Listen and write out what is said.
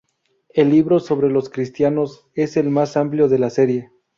El libro sobre los cristianos es el más amplio de la serie.